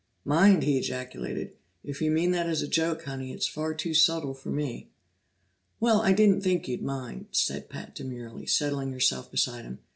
"Mind!" he ejaculated. "If you mean that as a joke, Honey, it's far too subtle for me." "Well, I didn't think you'd mind," said Pat demurely, settling herself beside him.